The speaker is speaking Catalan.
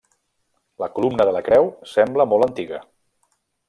La columna de la creu sembla molt antiga.